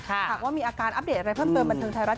หากว่ามีอาการอัปเดตอะไรเพิ่มเติมบันเทิงไทยรัฐ